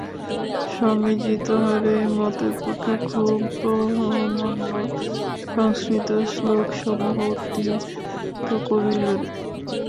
স্বামীজী তাঁহার এই মতের পক্ষে খুব প্রামাণ্য সংস্কৃত শ্লোকসমূহ উদ্ধৃত করিলেন।